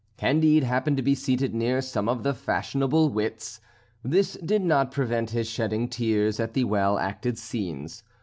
Candide happened to be seated near some of the fashionable wits. This did not prevent his shedding tears at the well acted scenes.